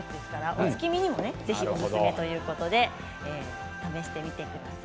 お月見にもおすすめということで試してみてください。